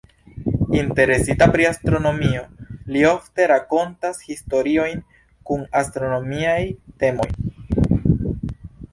Interesita pri astronomio, li ofte rakontas historiojn kun astronomiaj temoj.